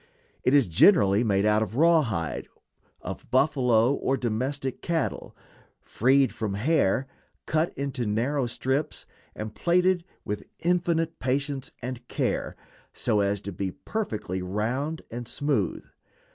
It is generally made of rawhide of buffalo or domestic cattle, freed from hair, cut into narrow strips, and plaited with infinite patience and care, so as to be perfectly round and smooth.